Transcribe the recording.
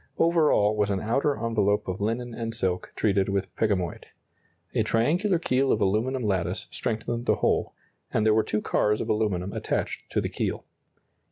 Over all was an outer envelope of linen and silk treated with pegamoid. A triangular keel of aluminum lattice strengthened the whole, and there were two cars of aluminum attached to the keel.